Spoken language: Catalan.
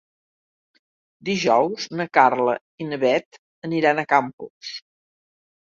Dijous na Carla i na Bet aniran a Campos.